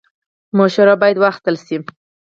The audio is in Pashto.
مشوره باید واخیستل شي